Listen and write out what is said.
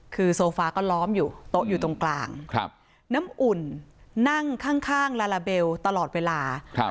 คือโซฟาก็ล้อมอยู่โต๊ะอยู่ตรงกลางน้ำอุ่นนั่งข้างลาลาเบลตลอดเวลา